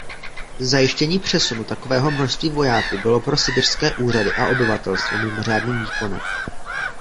Zajištění přesunu takového množství vojáků bylo pro sibiřské úřady a obyvatelstvo mimořádným výkonem.